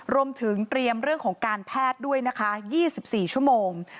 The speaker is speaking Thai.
รวมถึงเตรียมเรื่องของการแพทย์ด้วยนะคะ๒๔ชั่วโมง